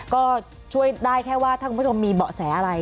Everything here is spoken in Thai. ก็ช่วยได้แค่ว่าถ้าคุณผู้ชมมีเบาะแสอะไร